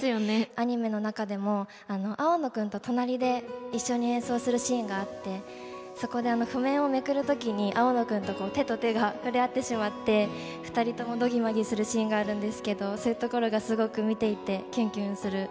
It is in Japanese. アニメの中でも青野くんと隣で一緒に演奏するシーンがあってそこで譜面をめくる時に青野くんと手と手が触れ合ってしまって二人ともどぎまぎするシーンがあるんですけどそういうところがすごく見ていてキュンキュンする